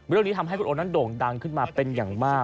เรื่องนี้ทำให้คุณโอนั้นโด่งดังขึ้นมาเป็นอย่างมาก